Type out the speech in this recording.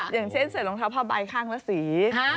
อย่างเช่นใส่รองเท้าผ้าใบข้างละสี